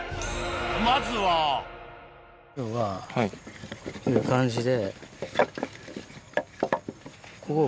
まずは要はこういう感じで。